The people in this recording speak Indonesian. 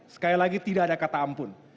sekali lagi tidak ada kata ampun